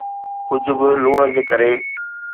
ڪجھ به لوڻ جي ڪري